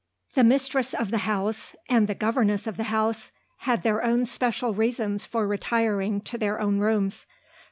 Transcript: The mistress of the house, and the governess of the house, had their own special reasons for retiring to their own rooms.